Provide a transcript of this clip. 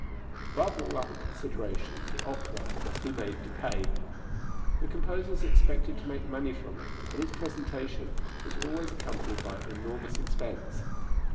Above all other considerations, the opera must be made to pay. The composers expected to make money from it, and its presentation was always accompanied by enormous expense.